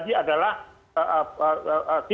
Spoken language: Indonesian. di rumah anak anak yang terlibat